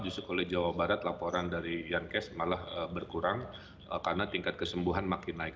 justru kalau di jawa barat laporan dari yankes malah berkurang karena tingkat kesembuhan makin naik